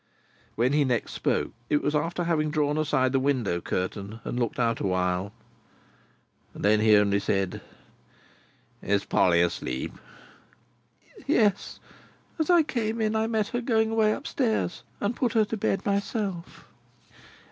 When he next spoke, it was after having drawn aside the window curtain and looked out a while. Then, he only said: "Is Polly asleep?" "Yes. As I came in, I met her going away up stairs, and put her to bed myself."